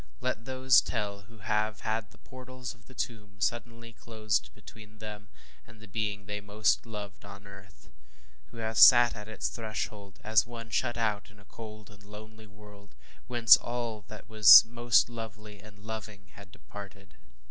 Let those tell who have had the portals of the tomb suddenly closed between them and the being they most loved on earth who have sat at its threshold, as one shut out in a cold and lonely world, whence all that was most lovely and loving had departed.